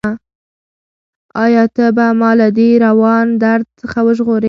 ایا ته به ما له دې روان درد څخه وژغورې؟